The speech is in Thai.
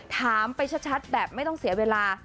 ถามไปชัดแบบไม่ต้องเสียเวลา